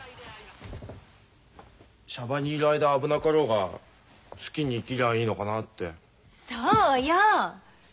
娑婆にいる間は危なかろうが好きに生きりゃいいのかなって。